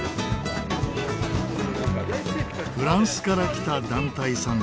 フランスから来た団体さん。